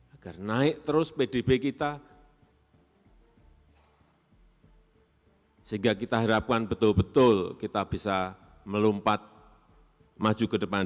agar naik terus pdb kita sehingga kita harapkan betul betul kita bisa melompat maju ke depan